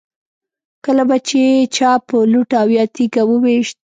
کله به چې چا په لوټه او یا تیږه و ویشت.